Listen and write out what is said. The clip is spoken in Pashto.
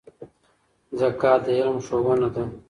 زکات د علم ښوونه ده.